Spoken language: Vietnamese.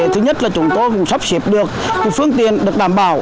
thứ nhất là chúng tôi cũng sắp xếp được phương tiện được đảm bảo